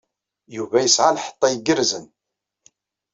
Yuba yesɛa lḥeṭṭa igerrzen.